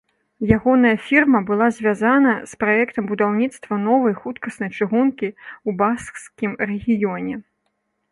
Ягоная фірма была звязана з праектам будаўніцтва новай хуткаснай чыгункі ў баскскім рэгіёне.